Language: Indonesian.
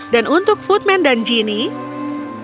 dan untuk footman dan jeannie